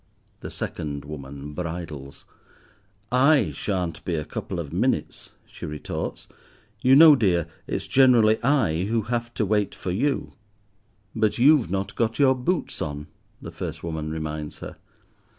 The second woman bridles. "I shan't be a couple of minutes," she retorts. "You know, dear, it's generally I who have to wait for you." "But you've not got your boots on," the first woman reminds her.